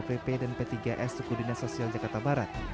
petugas satpol pp dan p tiga s tukudinan sosial jakarta barat